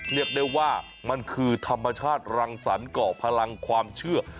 เรียกได้ว่ามันคือธรรมชาติรังสรรคเกาะพลังความเชื่อ